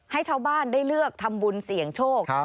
ให้ชาวบ้านได้เลือกทำบุญเสี่ยงโชค